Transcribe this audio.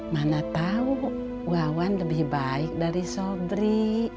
mana tahu wawan lebih baik dari sobri